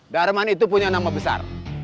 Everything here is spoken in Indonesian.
darman itu punya nama besar